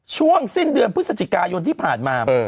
ช่วงสิ้นเดือนพฤศจิกายนที่ผ่านมา